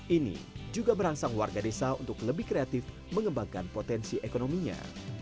ini juga merangsang warga desa untuk lebih kreatif mengembangkan potensi ekonominya